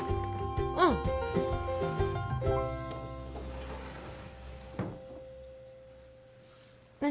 うん何？